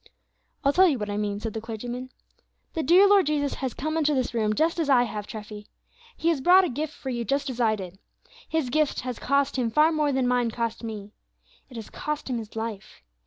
"I will tell you what I mean," said the clergyman. "The dear Lord Jesus has come into this room just as I have, Treffy. He has brought a gift for you, just as I did. His gift has cost Him far more than mine cost me; it has cost Him His life.